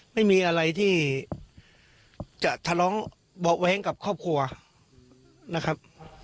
ไม่มีอะไรที่จะทะเลาะเบาะแว้งกับครอบครัวนะครับ